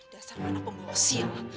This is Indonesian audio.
dasar anak pembuah usia